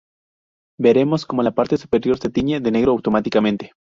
Veremos cómo la parte superior se tiñe de negro automáticamente.